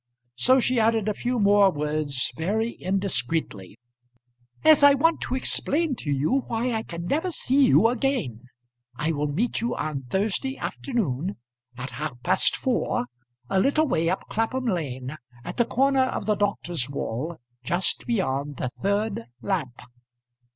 So she added a few more words very indiscreetly. "As I want to explain to you why I can never see you again, I will meet you on Thursday afternoon, at half past four, a little way up Clapham Lane, at the corner of the doctor's wall, just beyond the third lamp."